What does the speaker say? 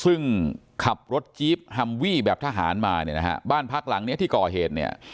ซึ่งขับรถจี๊บฮัมวี่แบบทหารมาเนี่ยนะฮะบ้านพักหลังเนี้ยที่ก่อเหตุเนี่ย